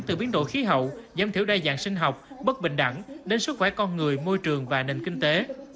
từ biến đổi khí hậu giảm thiểu đa dạng sinh học bất bình đẳng đến sức khỏe con người môi trường và nền kinh tế